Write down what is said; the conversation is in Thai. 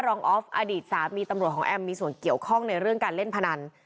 ออฟอดีตสามีตำรวจของแอมมีส่วนเกี่ยวข้องในเรื่องการเล่นพนัน